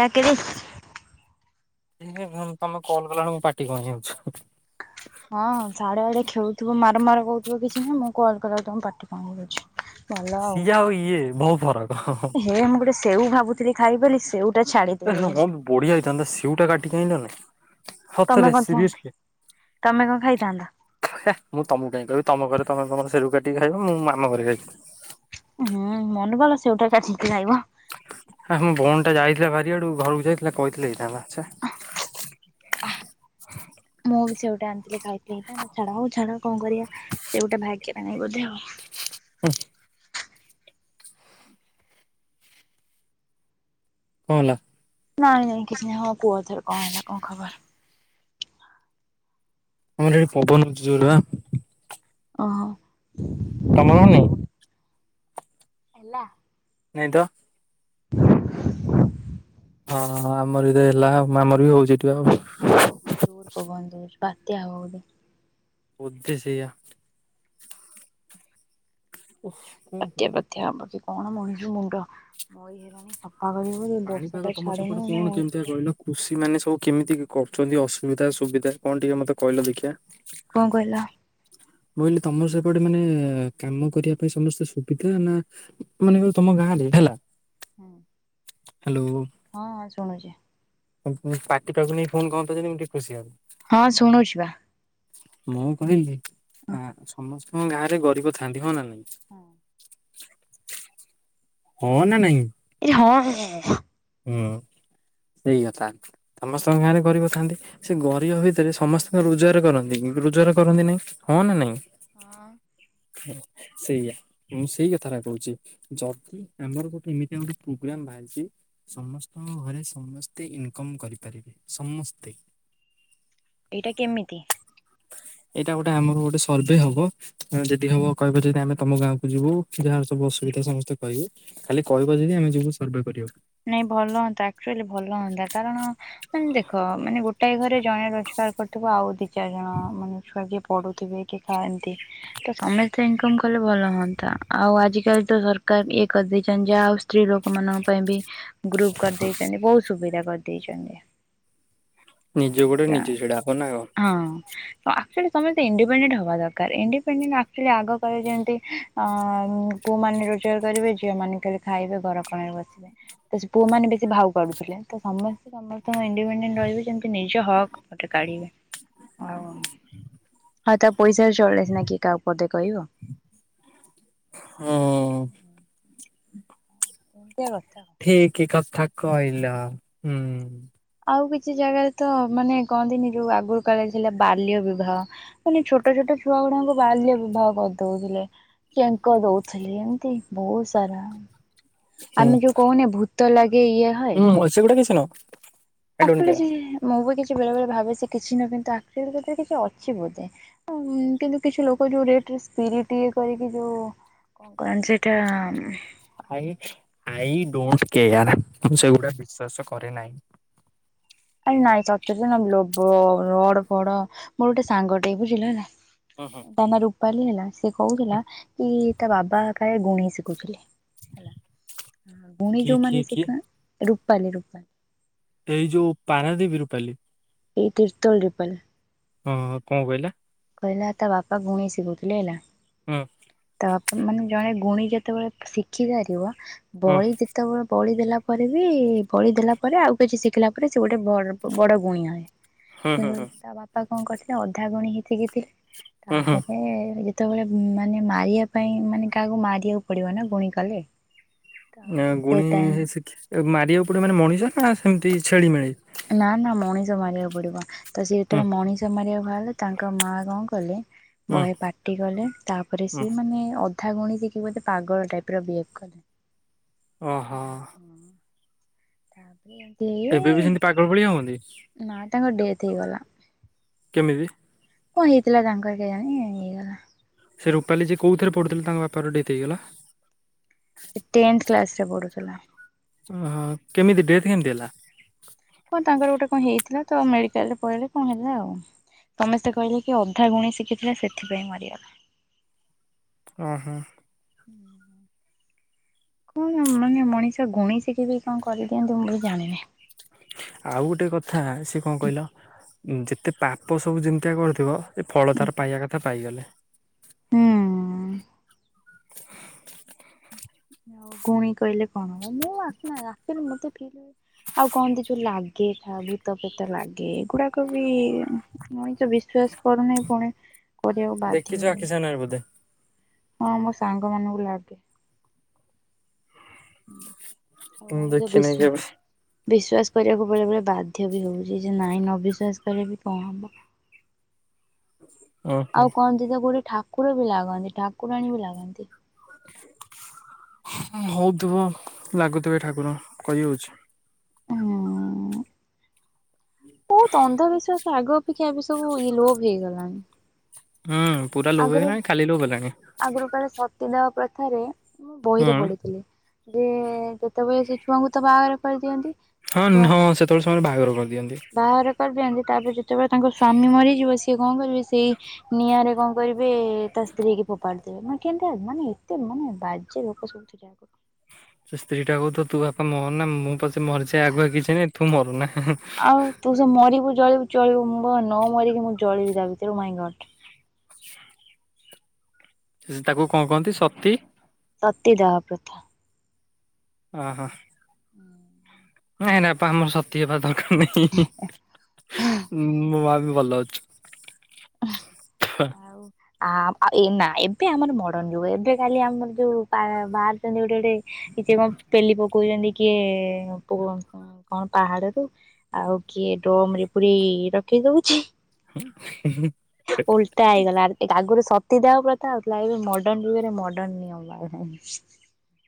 [unintelligible] ତମେ କଲ କଲାଣି ମୁଁ ପାଟି କଣ ହେଇ ଯାଉଛି। ହଁ ସାଡେ ବଡେ ଖେଳ ତୁମେ ମାର ମାର କହୁଥିବ କିଛି ନାହିଁ ମୁଁ କଲ୍ କଲାକୁ ତମ ପାଟି କଣ ହେଇଯାଉଛି। ଭଲ ଆଉ ସିଏ ଇଏ ବହୁ ଫରକ ଏହେ ମୁଁ ଗୋଟେ ସେଉ ଭାବୁଥିଲି ଖାଇବି ବୋଲି ସେଉ ହଁ ବଢିଆ ହେଇଥାନ୍ତା ସିଉ କାଟିକି ଆଇଁଲନି। ତମେ ସତରେ କଥା ସିରିୟସଲି ତମେ କଣ ଖାଇଥାନ୍ତ? ମୁଁ ତମକୁ କାହିଁ କହିବି ତମ ଘରେ ତମେ ତମ ଘରେ ସେଉ କାଟିକି ଖାଇବ ମୁଁ ଆମ ଘରେ ଖାଇିବି। ଉଁ ହୁଁ ମନେ ଭଲ ପଡିଲା ସେଉଟା କାଟିକି ଖାଇବ। ପା ବାରିଆଡୁ ଘରକୁ ଯାଇଥିଲେ କହିଥିଲେ ଛେ। ମୁଁ ବି ସେଉଟା ଆଣିଥିଲି ଖାଇଥିଲେ ହେଇଥାନ୍ତା ଛାଡ ହଉ ଛାଡ କଣ କରିବା ସେ ଗୋଟେ ଭାଗ୍ୟରେ ନାହିଁ ବୋଧେ ଆଉ। ହୁଁ। କଣ ହେଲା? ନାଇଁ ନାଇଁ କିଛି ନାହିଁ ହଁ କୁହ ଏଥର କଣ ହେଲା କଣ ଖବର ଆମର ଏଠି ପବନ ହଉଛି ଜୋର ରେ। ଓ। ତମର ନାହିଁ? ହେଲା। ନାଇଁ ତ। [inaudible] ହଁ ଆମର ତ ହେଲା ଆମର ବି ହଉଛି। ଏଠି ବା ଜୋର ପବନ ଦଉଚି ବାତ୍ୟା ହବ ବୋଧେ। ବୋଧେ ସେୟା। ଓଫ କଣ ବାତ୍ୟା କରିବୁ? ଫାତ୍ୟା ହବ କି କଣ ମଣିଷ ମୁଣ୍ଡ ମରି [unintelligible] ପାଣିପାଗ ତମର ସପଟେ କଣ ମଣିଷ କେମିତିଆ କହିଲ କୃଷି ମାନେ ସବୁ କେମିତି କରୁଛନ୍ତି ଅସୁବିଧା ସୁବିଧା କଣ ଟିକେ ମତେ କହିଲ ଦେଖିବା। କଣ କହିଲ ବୋଇଲେ ତମର ସେପଟେ ମାନେ କାମ କରିବା ପାଇଁ ସମସ୍ତେ ସୁବିଧା ନା ମାନେ ତମ ଗାଁରେ ହେଲା। ହଁ। ହ୍ୟାଲୋ। ହଁ ଶୁଣୁଛି। ପାଟି ପାଖକୁ ନେଇ ଫୋନ କହନ୍ତା ଯଦି ମୁଁ ଟିକେ ଖୁସି ହନ୍ତି। ହଁ ଶୁଣୁଛି ବା। ମୁଁ କହିଲି ଆ ସମସ୍ତେ ହଁ ଗାଁରେ ଗରିବ ଥାନ୍ତି ହଁ ନା ନାଇଁ? ହଁ ନା ନାଇଁ? ଏରେ ହଁ। ହୁଁ। ସେଇ କଥା ସମସ୍ତଙ୍କ ଗାଁରେ ଗରିବ ଥାନ୍ତି। ସେ ଗରିବ ଭିତରେ ସମସ୍ତେ କଁ ରୋଜଗାର କରନ୍ତି କି? ରୋଜଗାର କରନ୍ତି ନାଇଁ। ହଁ ନା ନାଇଁ? ଏଇଟା ସେଇଆ ମୁଁ ସେଇ କଥାଟା କହୁଛି ଯଦି ଆମର ଗୋଟେ ଏମିତି ଗୋଟେ ପ୍ରୋଗ୍ରାମ ବାହାରିଛି। ସମସ୍ତଙ୍କ ଘରେ ସମସ୍ତେ ଇନକମ୍ କରିପାରିବେ ସମସ୍ତେ। ଏଇଟା କେମିତି? ଏଇଟା ଗୋଟେ ଆମର ଗୋଟେ ସର୍ଭେ ହବ ଯଦି ହବ କହିବ ଯଦି ଆମେ ତମ ଗାଁକୁ ଯିବୁ ଯାହା ସବୁ ଅସୁବିଧା ସମସ୍ତେ କହିବେ ଖାଲି କହିବ ଯଦି ଆମେ ଯିବୁ ସର୍ଭେ କରିବାକୁ। ନାଇଁ ଭଲ ହୁଅନ୍ତା ଆକଚୁଆଲି ଭଲ ହନ୍ତା କାରଣ ମାନେ ଦେଖ ମାନେ ଗୋଟେ ଗୋଟାଏ ଘରେ ଜଣେ ରୋଜଗାର କରୁଥିବ ଆଉ ଦି ଦି ଚାରି ଜଣ ମାନେ ଛୁଆ କିଏ ପଢୁଥିବେ କି ଖାଆନ୍ତି ତ ସମସ୍ତେ ଇନକମ କଲେ ଭଲ ହୁଅନ୍ତା, ଆଉ ଆଜିକାଲି ତ ସରକାର ଇଏ କରିଦେଇଛନ୍ତି ଯାହାହେଉ ସ୍ତ୍ରୀ ଲୋକମାନଙ୍କ ପାଇଁ ବି। ଗ୍ରୁପ କରିଦେଇଛନ୍ତି, ବହୁତ ସୁବିଧା କରିଦେଇଛନ୍ତି। ନିଜ ହଁ। ଗୋଡରେ ନିଜେ ଛିଡା ହବ ନା କଣ? ଆକ୍ ଚୁଆଲି ସମସ୍ତେ ଇଣ୍ଡିପେଣ୍ଡେଣ୍ଟ ହବା ଦରକାର ଇଣ୍ଡିପେଣ୍ଡେଣ୍ଟ ଆକଚୁଆଲି ଆଗ କାଳରେ ଯେମିତି ପୁଅମାନେ ରୋଜଗାର କରିବେ ଝିଅମାନେ ଖାଲି ଖାଇବେ ଘରକଣରେ ବସିବେ। ତ ସେ ପୁଅମାନେ ବେଶୀ ଭାଉ କାଡୁଥିଲେ ତ ସମସ୍ତେ ସମସ୍ତଙ୍କ ଇଣ୍ଡିପେଣ୍ଡେଣ୍ଟ ରହିବେ ଯେମିତି ନିଜ ହକ୍ ଗୋଟେ କାଢିବେ। ଓ ହଉ ତା ପଇସାରେ ଚଳିଲ ସିନା କି କାହାକୁ ପଦେ କହିବ। ହଁ। ଏମିତିଆ କଥା। ଠିକ କଥା କହିଲ ହୁଁ। ଆଉ କିଛି ଜାଗାରେ ତ ମାନେ କହନ୍ତିନି ଯୋଉ ଆଗରୁ କାଳରେ ଥିଲା ବାଲ୍ୟବିବାହ ମାନେ ଛୋଟ ଛୋଟ ଛୁଆ ଗୁଡାଙ୍କୁ ବାଲ୍ୟବିବାହ କରିଦଉଥିଲେ। ଚେଙ୍କ ଦଉଥିଲି ଏମତି ବହୁତ ସାରା ଆମେ ଯୋଉ କହୁନି ଭୂତ ଲାଗି ହୁଁ ସେଗୁଡା କିଛି ନୁହଁ। I don't care. [unintelligible] ମୁଁ ବି କିଛି ବେଳେ ବେଳେ ଭାବେ ସେ କିଛି ନ କିନ୍ତୁ ଆ କିଛି ଅଛି ବୋଧେ କିନ୍ତୁ କିଛି ଲୋକ ଯୋଉ ରେ ଯେ ସ୍ପିରିଟ୍ ଇଏ କରିକି ଯେଉଁ କଣ କରନ୍ତି ସେଇଟା ଆଇ ଡୋଣ୍ଟ କେୟାର, ମୁଁ ସେଗୁଡା ବିଶ୍ଵାସ କରେ ନାହିଁ। ଆରେ ନାଇଁ ଚତୁୁରରେ ନା ଲୋଭ ରଡ ଫଡ ମୋର ଗୋଟେ ସାଙ୍ଗଟେ ବୁଝିଲ ହେଲା। ହୁଁ ହୁଁ। ତା ନା ରୂପାଲି ହେଲା। ସେ କହୁଥିଲା କି ତା ବାବା କାଳେ ଗୁଣି ଶିଖୁଥିଲେ। ହେଲା ଗୁଣି କିଏ କିଏ ଯଉମାନେ କିଏ ଶିଖ ରୂପାଲି ରୂପାଲୀ। ଏଇ ଯୋଉ ପାରାଦ୍ୱୀପ ରୂପାଲି? ଏଇ ତିର୍ତ୍ତୋଲ ରୁପାଲୀ। ହଁ କଣ କହିଲା? କହିଲା ତା ବାପା ଗୁଣି ଶିଖଉଥିଲେ ହେଲା। ହୁଁ ତା ବାପା ମାନେ ଜଣେ ଗୁଣି ଯେତେବେଳେ ଶିଖିପାରିବ, ହୁଁ ବଳି ଯେତେବେଳେ ବଳି ଦେଲା ପରେ ବି ବଳିଦେଲା ପରେ ଆଉ କିଛି ଶିଖିଲା ପରେ ସେ ଗୋଟେ ବଡ ଗୁଣିଆ ହୁଏ। ହୁଁ ହୁଁ କିନ୍ତୁ ହୁଁ ତା ବାପା କଣ କରିଥିଲେ ଅଧା ଗୁଣି ହେତିକି ଥିଲେ, ହୁଁ ହୁଁ। ତାପରେ [unintelligible] ବେଳେ ମାନେ ମାରିବା ପାଇଁ ମାନେ କାହାକୁ ମାରିବାକୁ ପଡିବ ନା ଗୁଣି କଲେ ତ ସେ ଗୁଣି ଟାଇମ ଶିଖି ମାରିବାକୁ ପଡିବ ମାନେ -ମଣିଷ ନା ସେମତି ଛେଳି ମେଳି ନା ନା ମଣିଷ ମାରିବାକୁ ପଡିବ ତ ସେ ହୁଁ ଯେତବେଳେ ମଣିଷ ମାରିବାକୁ ହେଲେ ତାଙ୍କ ମା କଣ କଲେ ହୁଁ ବହେ ପାଟି କଲେ ତାପରେ ହୁଁ ସିଏ ମାନେ କଥା [unintelligible] କି ବୋଧେ ପାଗଳ ଟାଇପ ର ବିହେଭ କରେ [unintelligible] ଓହୋ ଏମିତି ଏବେ ବି ଇ ସେମିତି ପାଗଳ ଭଳିଆ ହୁଅନ୍ତି ନା ତାଙ୍କ ଡେଥେ ହେଇଗଲା। କେମିତି? କଣ ହେଇଥିଲା ତାଙ୍କର କେଜାଣି? ହେଇଗଲା। ସେ ରୂପାଲି ଯେ କୋଉ ଥିରେ ପଢୁଥିଲେ ତାଙ୍କ ବାପାର ଡେଥ୍ ହେଇଗଲା। ସେ ଟେନ୍ଥ କ୍ଲାସରେ ପଢୁଥିଲା। ଓହୋ, କେମିତି ଡେଟ କେମତି ହେଲା? କଣ ତାଙ୍କର ଗୋଟେ କଣ ହେଇଥିଲା ତ, ମେଡିକାଲ ରେ ପଳେଇଲେ କଣ ହେଲା ଆଉ ସମସ୍ତେ କହିଲେ କି ଅଧା ଗୁଣି ଶିଖିଥିଲେ ସେଥିପାଇଁ ମରିଗଲା। ହଁ ହଁ କଣ ମାନେ ମଣିଷ ଗୁଣିଶିଖିକି ବି କଣ କରିଦିଅନ୍ତି ମୁଁ ବୋଲି ଜାଣିନି। ଆଉ ଗୋଟେ କଥା ସେ କଣ କହିଲ -ଯେତେ ପାପ ସବୁ ଯେମିତିକା କରିଥିବ? ଏଇ ଫଳତାର ପାଇବା କଥା ପାଇଗଲେ। ହୁଁ ଉଁ ଆଉ ଗୁଣୀ କହିଲେ କଣ ହବ? ମୁଁ ଆସନା ଆସିଲି ମତେ ଫିଲ୍ ହ ଆଉ କହନ୍ତି ଯୋଉ ଲାଗେ ଭୂତ ପେତ ଲାଗେ ଏଗୁଡାକ ବି ମଣିଷ ବିଶ୍ଵାସ କରୁନାହିଁ ପୁଣି କରିବାକୁ ବାଧ୍ୟ ଦେଖିଛ ହୁଏ, ଆଖି ସାମ୍ନାରେ ବୋଧେ ହଁ ମୋ ସାଙ୍ଗ ମାନଙ୍କୁ ଲାଗେ। ମୁଁ [unintelligible] ଦେଖିନି କେବେ ବିଶ୍ଵାସ କରିବାକୁ ବେଳେ ବେଳେ ବାଧ୍ୟ ବି ହଉଛି ଯେ ନାଇଁ ଅବିଶ୍ଵାସ କଲେ ବି କଣ ହବ? [inaudible] ଓହୋ ଆଉ କହନ୍ତି ତ କୋଉଠି ଠାକୁର ବି ଲାଗନ୍ତି, ଠାକୁରାଣୀ ବି ଲାଗନ୍ତି। [unintelligible] ହଉଥିବ ଲାଗୁଥିବେ ଠାକୁର କହି ହଉଛି। ହୁଁ ବହୁତ ଅନ୍ଧବିଶ୍ଵାସ ଆଗ ଅପେକ୍ଷା ଏବେ ସବୁ ଇ ଲୋପ୍ ହେଇଗଲାଣି। ହୁଁ ପୁରା ଲୋଭ ଆଗରୁ ହେଲାଣି, ଖାଲି ଲୋଭ ହେଲାଣି। ପୁରୁଣା ପ୍ରଥାରେ ମୁ ବହିରେ ହୁଁ। ପଢିଥିଲି। ଯେ ଯେତେବେଳେ ସେ ଛୁଆଙ୍କୁ ତ ବାହାଘର କରିଦିଅନ୍ତି। କି ହଁ ଛୁଆ, ହଁ ସେତେବେଳେ ସେମାନେ ବାହାଘର କରିଦିଅନ୍ତି। ବାହାରେ [unintelligible] ତାପରେ ଯେତେବେଳେ ତାଙ୍କ ସ୍ଵାମୀ ମରିଯିବ ସିଏ କଣ କରିବେ ସେଇ ନିଆଁରେ କଣ? [unintelligible] ତା ସ୍ତ୍ରୀ କି ପକାନ୍ତି। [unintelligible] ଏତେ ମାନ ବାଜ୍ୟେ ଲୋକେ ସବୁଥିଲେ ଆଗରୁ ସେ ସ୍ତ୍ରୀ ଟା କହୁଥିବ -ତୁ ବାପା ମରନା, ମୁଁ ପଛେ ମରିଯାଏ ଆଗୁଆ କିଛି ନାଇଁ, ତୁ ମରନା। ଆଉ ତୁ ଯୋଉ ମରିବୁ। ଚଳିବ ନ ମରିକି ମୁଁ ଜଳିବି ତା ଭିତରେ ମାଇଁ ଗଟ ସେ ତାକୁ କଣ କହନ୍ତି ସତୀ ସତୀଦାହ ପ୍ରଥା। ହ ହୋ ନାଇଁ ନାଇଁ ଥାଉ ମୁଁ ସତି ହେବା ଦରକାର ନାହିଁ, ମୋ ଭଲ ଅଛୁ। ଆଉ ଆ ଏ ନା ଏବେ ଆମର ମଡର୍ଣ ଯୁଗ ଏବେ କାଲି ଆମର ଯୋଉ ବାରୁଛନ୍ତି ଗୋଟେ ଗୋଟେ କିଛି କଣ ପେଲି ପକଉଚନ୍ତି କିଏ କୁଅ କଣ ପାହାଡରୁ, ଆଉ କିଏ [unintelligible] ରଖି ଦଉଛି। ହେ-ହେ। ଓଲଟା ହେଇଗଲା ଆ-ଆଗରୁ ସବ ସତୀ ଦାହ ପ୍ରଥା ହଉଥିଲା। ଏ ଯୋଉ ମଡର୍ନ ଯୁଗରେ ମଡର୍ନ ନିୟମ ବାହାରିଲାଇଁ।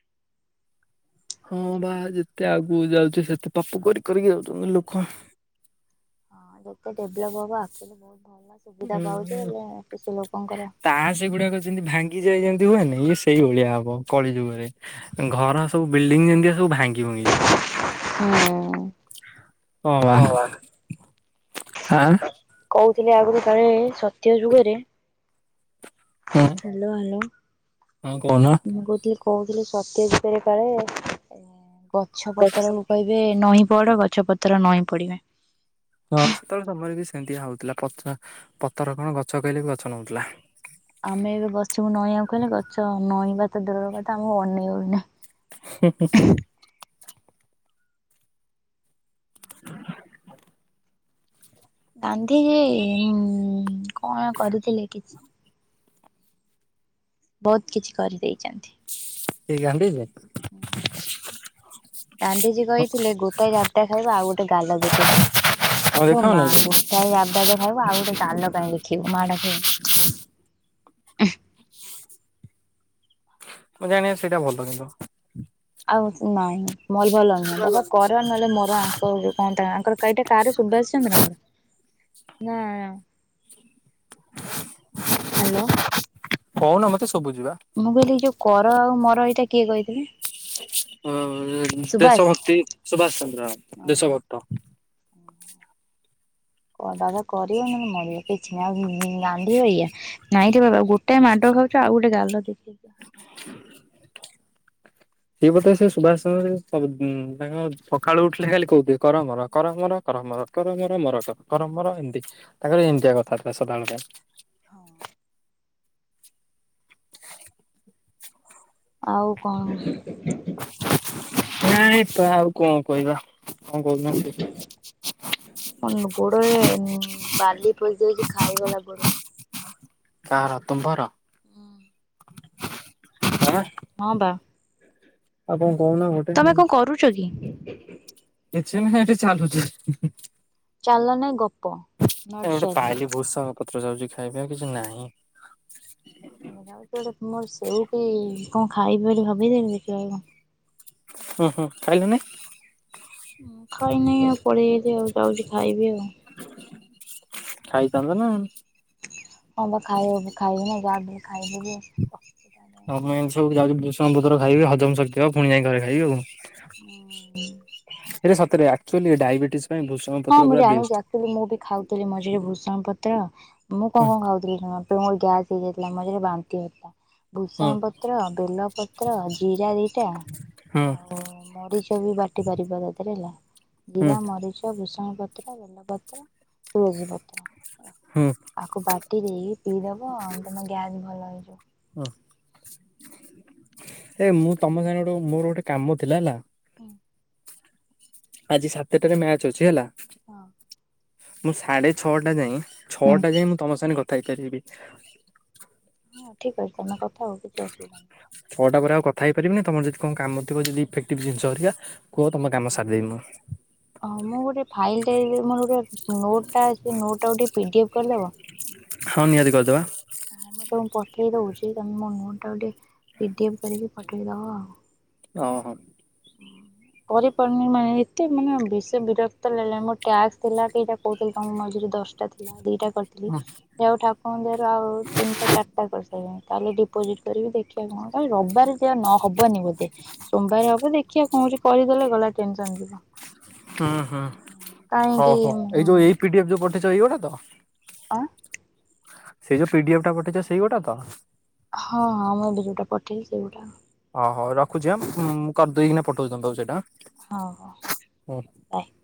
[inaudible] ହଁ ବା, ଯେତେ ଆଗକୁ ଯାଉଛି, ସେତେ ପାପ କରି କରିକି ଯାଉଛନ୍ତି ଲୋକ। ହଁ ଯେତେ ଡେଭଲପ ହବ ଆକ୍ଚୁଆଲି ବହୁତ ଭଲ ଉଁ ସୁବିଧା ପାଉଛେ ହୋ। ହେଲେ କିଛି ଲୋକଙ୍କର ତାସ୍ ଗୁଡାକ ଯେମତି ଭାଙ୍ଗି ଯାଏ ଯେମତି ହୁଏନି ଇଏ ସେଇ ଭଳିଆ ହବ କଳି ଯୁଗରେ। ଘର ସବୁ ବିଲଡିଂ ଯେନ୍ତିଆ ସବୁ ଭାଙ୍ଗି ଭୁଙ୍ଗି ଯିବ। ଉଁ ହଁ ବା ଆଁ ଶୁଣିଥିନି ଆଗରୁ କାଳେ ସତ୍ୟଯୁଗରେ ହ୍ୟାଲୋ ହ୍ୟାଲୋ। ହଁ କହୁନ। ମୁଁ କହୁଥିଲି କହୁଥିଲି ସତ୍ୟଯୁଗରେ କାଳେ, ଏ ଗଛ ପତ୍ରକୁ କହିବେ ନଇଁ ପଡ, ଗଛ ପତ୍ର ନଇଁ ପଡିବେ। ହଁ ସେତେବେଳେ ସମୟରେ ବି ସେମତିଆ ହଉଥିଲା। ପତ୍ର ପତର କଣ, ଗଛ କହିଲେ ବି ଗଛ ନଉଁଥିଲା। ଆମେ ଏବେ ଗଛକୁ ନଇଁଆକୁ କହିଲେ, ଗଛ ନଇଁବା ତ ଦୂରର କଥା ଆମକୁ ଅନେଇବ ବି ନାହିଁ। [inaudible] ରାନ୍ଧିଚି, ମୁଁ କଣ କରିଥିଲି କିଛି ବହୁତ କିଛି କରି ଦେଇଚନ୍ତି। ସେଇ କାନ୍ଦିଚି ହୁଁ ଗାନ୍ଧିଜୀ କହିଥିଲେ, ଗୋଟାଇ ଜାବଡ଼ା ଖାଇବ ଆଉ ଗୋଟେ ଗାଲ ଦେଖେଇ ତମେ ଏ ମା ଦେଖାଅନି ଗୋଟାଏ ଜାବଡା ତ ଖାଇବ, ଆଉ ଗୋଟେ ଗାଲ କାଇଁ ଦେଖେଇ ଖିବୁ ମା ଡାକେ ହୁଁ। ମୁଁ ଜାଣିଆରେ ସେଇଟା ଭଲ କିନ୍ତୁ। ଆଉ ସେ ନାହିଁ। ମଲ୍ଭାଲଙ୍କର ତମେ କର ନହେଲେ ମର ଆଙ୍କ ଯୋଉ କଣ ତାଙ୍କର କେଇଟା କାରେ ସୁଭାଷ ଚନ୍ଦ୍ରଙ୍କର ନାଁ ଆ ହ୍ୟାଲୋ। କଅଣ ମତେ ଶୁ ମୁଁ କହିଲି ଏ ଯୋଉ କର ଆଉ ମର ଏଇଟା କିଏ କହିଥିଲେ? ଅ ସୁବାସ ଦେଶଭକ୍ତି ସୁଭାଷ ଚନ୍ଦ୍ର ଦେଶଭକ୍ତ। ବାବା କରିଆ ନହେଲେ ମରିଆ କିଛି ନାହିଁ ଆଉ ଗାନ୍ଧି ବାଗିଆ ନାଇଁ ରେ ବାବା ଗୋଟେ ଗୋଟାଏ ମାଡ଼ ଖାଉଛୁ ଆଉ ଗୋଟେ ଗାଲ ଦେଖେଇ ଏଇ କଥା ସିଏ ସୁଭାଷ ଚନ୍ଦ୍ର [unintelligible] ତାଙ୍କ ସଖାଳୁ ଉଠିଲେ ଖାଲି କହୁଥିବେ। କର, ମର କର, ମର। କ କର, ମର, କର, ମର, ମର, କର, ମର, କର ଏମତି। ତାଙ୍କର ଏମତିଆ କଥାବାର୍ତ୍ତା ସଦାବେଳ ପାଇଁ। ହଁ। ଆଉ କଣ [unintelligible] ନାଇ ତ ଆଉ କଣ କହିବା, କଣ କହୁଥିଲ? ଆ ମୋ ଗୋଡରେ ବାଲି ପଶି ଯାଇଛି, ଖାଇଗଲା ଗୋଡଟା। କାହାର, ତୁମର? ଆଁ ହଁ ବା। ଆଉ କଣ କହୁନ ଗୋଟେ ତମେ କଣ କରୁଚ କି? ଝୁନୁ ସାଙ୍ଗରେ ଟିକେ ଚାଲୁଚି। ଚାଲନାଇଁ ଗପ୍- ନାଇଁ ଗୋଟେ ପାଇଲି ଭୃସଙ୍ଗ ପତ୍ର ଯାଉଛି ଖାଇବି ଆଉ କିଛି ନାହିଁ। ଯାଉଛି ଗୋଟେ ମୋର ସେଉ କି କଣ, ଖାଇବି ବୋଲି ଭାବିଥିଲି ଦେଖିବା କଣ? ହଁ ହଁ ଖାଇଲନେଇଁ। ଉଁ ଖାଇନି ଆଉ ପଳେଇ ଆଇଲି ଆଉ ଯାଉଛି ଖାଇବି ଆଉ। ଖାଇଥାନ୍ତ ନା। ହଁ ବା ଖାଇଦବୁ ଖାଇବି ନା ଯା ବି ହେଲେ ଆଉ ଖାଇଦେବି। ମୁଁ ଏମିତି ସବୁ ଯାଉଛି ଭୂଷଙ୍ଗ ପତର ଖାଇବି ହଜମ ଶକ୍ତି ହବ ପୁଣି ଯାଇ ଘରେ ଖାଇବି ଆଉ ଇରେ ସତରେ ବା। ଆକଚୁଆଲି ଏ ଡାଇବେଟିଏସ। ହଁ ମୁଁ ଜାଣିଛିି ଆକଚୁଲି ମୁଁ ବି ଖାଉଥିଲି ମଝିରେ ଭୂଷଙ୍ଗ ପତ୍ର ମୁଁ କଣ ହୁଁ କଣ ଖାଉଥିଲି ଶୁଣ ମୋର ଗ୍ୟାସ। ହେଇ ଯାଇ ଥିଲା ମଝିରେ ବାନ୍ତି ହଉଥିଲା। ହୁଁ ଭୂଷଣ ପତ୍ର ବେଲପତ୍ର ଜିରା ଦିଟା। ହୁଁ ଆଉ ମରିଚ ବି ବାଟି ପାରିବ ତା ଧିଏରେ ହେଲା ହୁଁ ଜିରା ମରିଚ। ଭୁସଙ୍ଗ ପତ୍ର ବେଲ ପତ୍ର ତୁଳସୀ ପତ୍ର ହେଲା ହୁଁ ଆକୁ ବାଟି ଦେଇ। ପିଇଦବ ତମ ଗ୍ୟାସ ଭଲ ହୁଁ। ହେଇଯିବ। ଏ ମୁଁ ତମ ସାଙ୍ଗେ ଗୋଟେ କଁ ମୋର ଗୋଟେ କାମ ଥିଲା ହେଲା। ଉଁ। ଆଜି ସାତେ ଟାରେ ମ୍ୟାଚ ଅଛି ହେଲା। ହଁ। ମୁଁ ସାଡେ ଛଅଟା ଯାଏଁ ହଁ ଛଅଟା ଯାଏଁ ମୁଁ ତମ ସାଙ୍ଗେ କଥା ହେଇପାରିବି। ହଁ ଠିକ୍ ଅଛି ତମେ କଥା ହୁଅ କିଛି ଅସୁବିଧା ନାହିଁ। ଛ ଟା ପରେ ଆଉ କଥା ହେଇ ପାରିବିନି ତମର ଯଦି କଁ କାମ ଥିବ ଯଦି ଇଫେକ୍ଟିଭ୍ ଜିନିଷ ଘରିକା କୁହ ତମ କାମ ସାରିଦବି ମୁଁ। ହଁ ମୁଁ ଗୋଟେ ଫାଇଲ ଟାଇପ ମୋର ଗୋଟେ ନୋଟ ଟା ଅଛି ସେ ନୋଟ ଟାକୁ ଟିକେ ପିଡିଏଫ କରିଦବ। ହଁ ନିହାତି କରିଦବା। ହଁ ମୁଁ ତମକୁ ପଠେ ଇଏ ଦଉଛି ତମେ ମୋ ନୋଟ ଟା କୁ ଟିକେ ପିଡିଏଫ କରିକି ପଠେଇଦବ ଆଉ। ଅ ହ। ଉଁ। କରିପାରୁନି ମା ଏତେ ମାନେ ବେଶୀ ବିରକ୍ତ ଲାଗିଲଣି ମୋର ଟ୍ୟାକ୍ସ ଥିଲା କେଇଟା କହୁଥିଲି ତମକୁ ମଝୀରେ। ଦଶଟା ଥିଲା ଦିଟା କରିଥିଲି ଯାହଉ ଠାକୁର ଦୟାରୁ ଆଉ ତିନିଟା ଚାରିଟା କରି ସାଇଲିଣୀ। କାଲି ଡିପୋଜିଟ୍ କରିବି ଦେଖିବା କଣ କାଲି ରବାରୁତିଆ ନ ହବନି ବୋଧେ ସୋମବାରେ ହବ ଦେ ଦେଖିବା କଁ ହଉଛି କରିଦଲେ ଗଲା ଟେନସନ ଯିବ। ହୁଁ ହୁଁ ହଉ କାହିଁକି ହଉ ଏଇ ଯୋଉ ଏଇ ପିଡିଏଫ ଯୋଉ ପଠେଇଛ ଏଇଗୋଟା ତ। ଆଁ। ସେଇ ଯୋଉ ପିଡିଏଫ ଟା ପଠେଇଛ ସେଇ ଗୋଟା ତ। ହଁ ହଁ ମୁଁ ଏବେ ଯୋଉଟା ପଠେଇଚି ସେଇଗୁଟାକ। ଅ ହଉ ରଖୁଛି ଆଁ ମୁଁ କରିଦେଇ କିନା ପଠଉଚି ତମ ପାଖକୁ ସେଇଟା। ହଁ ହଉ ଆଁ। ବାଏ।